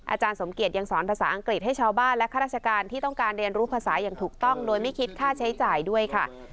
อาจารย์สมเกียจยังสอนภาษาอังกฤษให้ชาวบ้านและข้าราชการที่ต้องการเรียนรู้ภาษาอย่างถูกต้องโดยไม่คิดค่าใช้จ่ายด้วยค่ะ